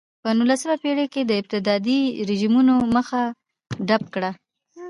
په نولسمه پېړۍ کې استبدادي رژیمونو مخه ډپ کړه.